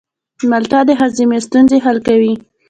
مالټه د هاضمې ستونزې حل کوي.